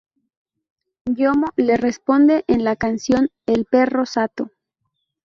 Yomo le responde en la canción "El perro sato".